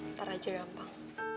ntar aja gampang